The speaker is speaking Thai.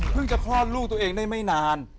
จะคลอดลูกตัวเองได้ไม่นาน